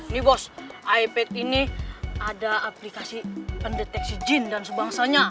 ini bos ipad ini ada aplikasi pendeteksi jin dan sebangsanya